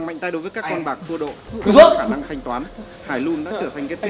em chưa viết gì ạ em chưa viết ạ